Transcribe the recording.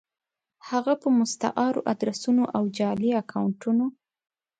هفه په مستعارو ادرسونو او جعلي اکونټونو